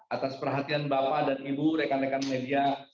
atas perhatian bapak dan ibu rekan rekan media